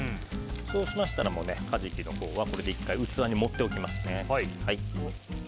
そうしましたらカジキのほうはこれで１回器に盛っておきます。